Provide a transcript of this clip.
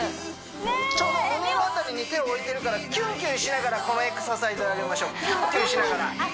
ちょうど胸の辺りに手を置いてるからキュンキュンしながらこのエクササイズやりましょうキュンキュンしながらあっ